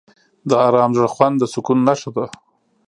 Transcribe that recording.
د آرام زړه خوند د سکون نښه ده.